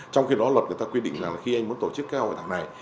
trong khi đó luật người ta quy định là khi anh muốn tổ chức cái hội thảo này